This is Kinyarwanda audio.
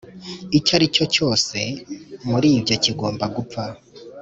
icyo ari cyo cyose muri ibyo kigomba gupfa